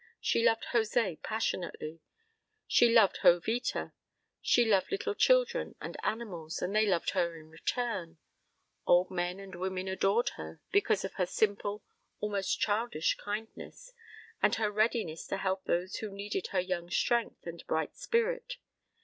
She loved José passionately; she loved Jo vita; she loved little children and animals, and they loved her in return; old men and women adored her because of her simple, almost childish kindness and her readiness to help those who needed her young strength and bright spirit.